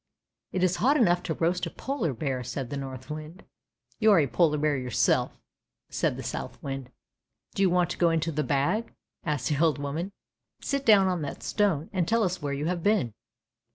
"" It is hot enough to roast a polar bear," said the Northwind. " You are a polar bear yourself! " said the Southwind. " Do you want to go into the bag? " asked the old woman. " Sit down on that stone and tell us where you have been."